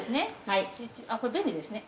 これ便利ですね。